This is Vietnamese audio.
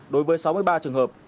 đối với sáu mươi ba trường hợp